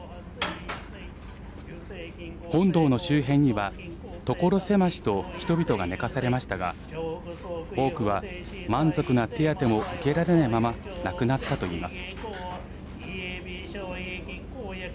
本堂の周辺には、所狭しと人々が寝かされましたが多くは満足な手当ても受けられないまま亡くなったといいます。